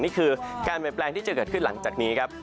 นี่คือการเปลี่ยนแปลงที่จะเกิดขึ้นหลังจากนี้ครับ